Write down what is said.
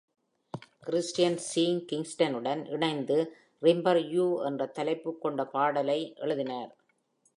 Christian Sean கிங்ஸ்டனுடன் இணைந்து "Remember You" என்ற தலைப்பு கொண்ட பாடாலை எழுதினார்.